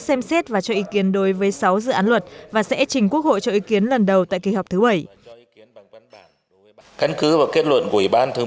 xem xét và cho ý kiến đối với sáu dự án luật và sẽ trình quốc hội cho ý kiến lần đầu tại kỳ họp thứ bảy